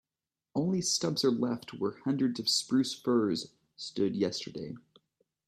Only stumps are left where hundreds of spruce firs stood yesterday.